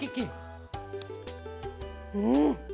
うん！